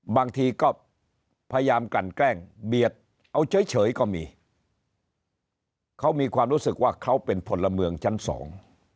บางทีก็พยายามกันแกล้งเบียดเอาเฉยเฉยก็มีเขามีความรู้สึกว่าเขาเป็นพลเมืองชั้นสอง